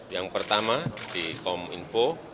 yang pertama di pom info